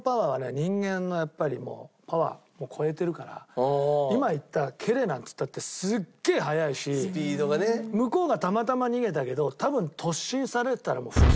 人間のやっぱりパワーを超えてるから今言った蹴れなんて言ったってすっげえ速いし向こうがたまたま逃げたけど多分へえ！